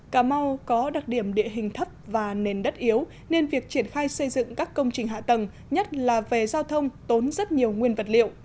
cà mau có đặc điểm địa hình thấp và nền đất yếu nên việc triển khai xây dựng các công trình hạ tầng nhất là về giao thông tốn rất nhiều nguyên vật liệu